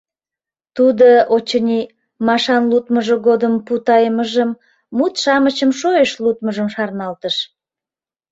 Тудо, очыни, Машан лудмыжо годым путайымыжым, мут-шамычым шойышт лудмыжым шарналтыш.